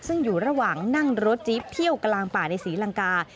ซึ่งอยู่ระหว่างนั่งรถจิ๊บเที่ยวกลางป่าในศรีลังกา